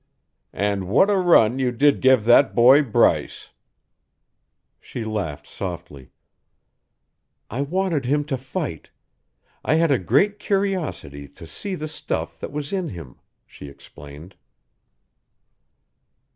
"And what a run you did give that boy Bryce!" She laughed softly. "I wanted him to fight; I had a great curiosity to see the stuff that was in him," she explained.